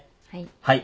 はい。